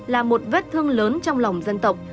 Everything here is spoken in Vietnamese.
là một vết thương lớn trong lòng dân tộc